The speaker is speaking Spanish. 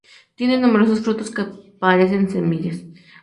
Tiene numerosos frutos que parecen semillas.